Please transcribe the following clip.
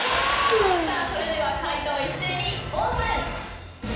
さあそれでは解答一斉にオープン。